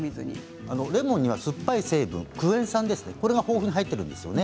レモンには酸っぱい成分、クエン酸が入っているんです。